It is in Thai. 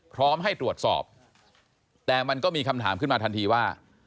พร้อมให้ตรวจสอบแต่มันก็มีคำถามขึ้นมาทันทีว่า